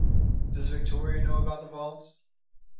"Does Victoria know about the vaults?"